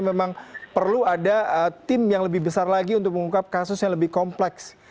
memang perlu ada tim yang lebih besar lagi untuk mengungkap kasus yang lebih kompleks